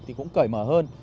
thì cũng cởi mở hơn